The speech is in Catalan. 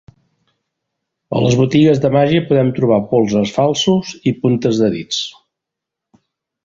A les botigues de màgia podem trobar polzes falsos i puntes de dits.